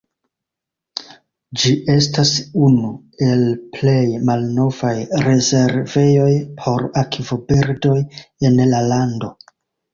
Ĝi estas unu el plej malnovaj rezervejoj por akvobirdoj en la lando.